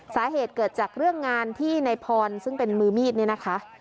สาเหตุเกิดจากเรื่องงานที่ในพรซึ่งเป็นมือมีดเนี่ยนะคะ